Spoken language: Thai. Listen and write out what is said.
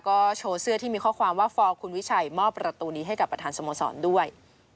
ก็โชว์เสื้อที่มีข้อความว่าฟอร์คุณวิชัยมอบประตูนี้ให้กับประธานสโมสรด้วย